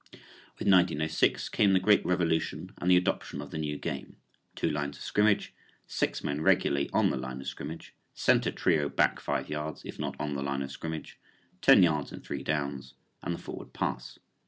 With 1906 came the great revolution and the adoption of the new game; two lines of scrimmage, six men regularly on the line of scrimmage, center trio back five yards if not on the line of scrimmage, ten yards in three downs and the Forward Pass.